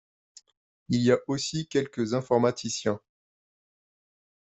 Il y a aussi quelques informaticiens